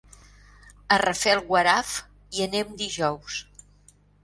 A Rafelguaraf hi anem dijous.